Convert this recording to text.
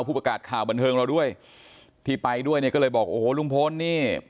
ผู้ประกาศข่าวบันเทิงเราด้วยที่ไปด้วยเนี่ยก็เลยบอกโอ้โหลุงพลนี่